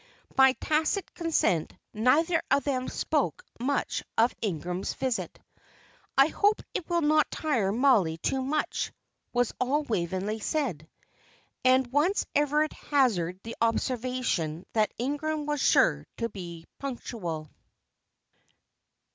By tacit consent, neither of them spoke much of Ingram's visit. "I hope it will not tire Mollie too much," was all Waveney said. And once Everard hazarded the observation that Ingram was sure to be punctual.